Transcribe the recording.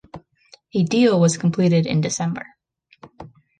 The deal was completed in December.